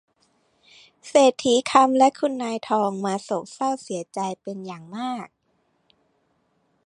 เศรษฐีคำและคุณนายทองมาโศกเศร้าเสียใจเป็นอย่างมาก